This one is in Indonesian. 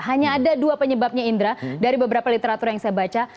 hanya ada dua penyebabnya indra dari beberapa literatur yang saya baca